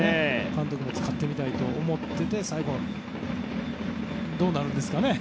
監督も使ってみたいと思っていて最後、どうなりますかね。